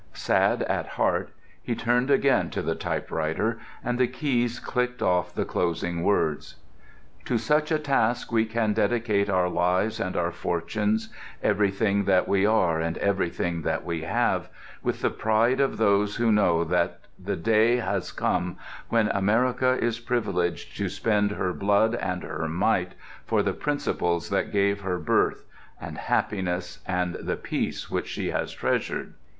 Sad at heart he turned again to the typewriter, and the keys clicked off the closing words: "To such a task we can dedicate our lives and our fortunes, everything that we are and everything that we have, with the pride of those who know that the day has come when America is privileged to spend her blood and her might for the principles that gave her birth and happiness and the peace which she has treasured."